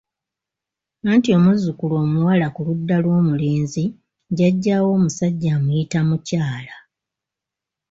Anti omuzzukulu omuwala ku ludda lw’omulenzi jjajjaawe omusajja amuyita mukyala.